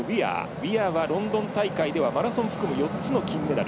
ウィアーはロンドン大会ではマラソンを含む４つの金メダル。